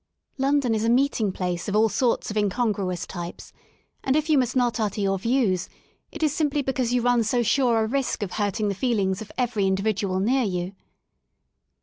London is a meeting place of all sorts of incongruous types, and, if you must not utter your views, it is simply because you run so sure a risk of hurting the feelings of every individual near you.